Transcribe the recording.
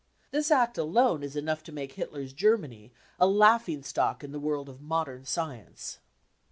This act alone is enough to make Hitler's Germany a laughing stock in the world of modern science.